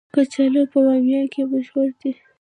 کچالو په بامیان کې مشهور دي